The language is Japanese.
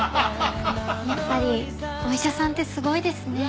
やっぱりお医者さんってすごいですね。